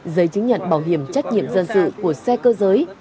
giấy chứng nhận bảo hiểm trách nhiệm dân sự của xe cơ giới